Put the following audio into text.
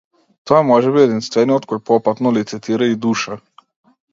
Тој е можеби единствениот кој попатно лицитира и душа.